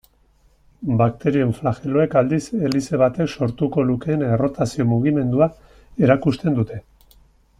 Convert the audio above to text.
Bakterioen flageloak, aldiz, helize batek sortuko lukeen errotazio-mugimendua erakusten dute.